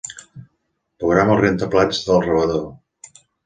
Programa el rentaplats del rebedor.